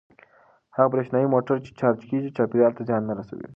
هغه برېښنايي موټر چې چارج کیږي چاپیریال ته زیان نه رسوي.